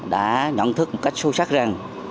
đã nhận thức một cách sâu sắc rằng